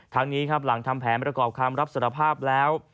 ทั้งนี้ครับหลังทำแผนประกอบคำรับสารภาพแล้ว